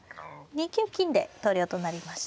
２九金で投了となりました。